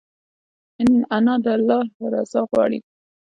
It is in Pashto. انا د الله رضا غواړي